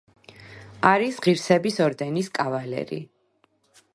არის ღირსების ორდენის კავალერი.